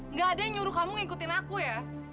nggak ada yang nyuruh kamu ngikutin aku ya